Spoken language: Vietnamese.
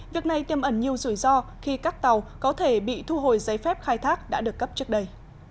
việc này tiêm ẩn nhiều rủi ro khi các tàu có thể bị thu hồi giấy phép khai thác đã được cấp trước đây